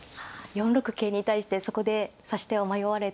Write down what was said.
４六桂に対してそこで指し手を迷われたんですね。